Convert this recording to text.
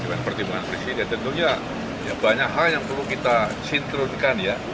dengan pertimbangan presiden tentunya banyak hal yang perlu kita sinkronkan ya